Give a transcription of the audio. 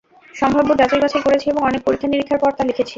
সম্ভাব্য যাচাই-বাছাই করেছি এবং অনেক পরীক্ষা-নিরীক্ষার পর তা লিখেছি।